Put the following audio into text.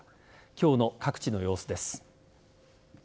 今日の各地の様子です。